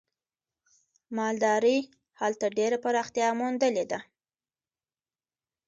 مالدارۍ هلته ډېره پراختیا موندلې ده.